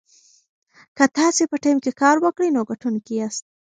که تاسي په ټیم کې کار وکړئ نو ګټونکي یاست.